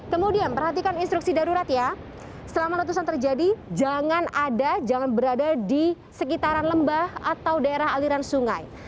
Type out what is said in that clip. kemudian perhatikan instruksi darurat ya selama letusan terjadi jangan ada jangan berada di sekitaran lembah atau daerah aliran sungai